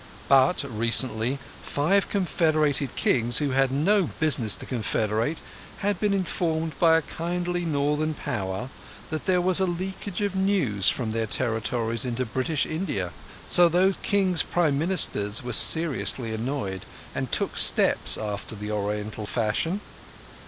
But, recently, five confederated Kings, who had no business to confederate, had been informed by a kindly Northern Power that there was a leakage of news from their territories into British India. So those Kings' Prime Ministers were seriously annoyed and took steps, after the Oriental fashion.